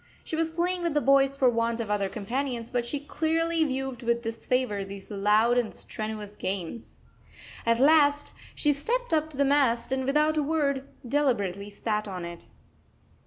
She was playing with the boys for want of other companions, but she clearly viewed with disfavour these loud and strenuous games. At last she stepped up to the mast and, without a word, deliberately sat on it.